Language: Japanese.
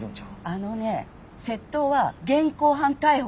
あのね窃盗は現行犯逮捕が基本なの！